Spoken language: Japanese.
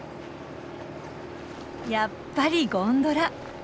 やっぱりゴンドラ。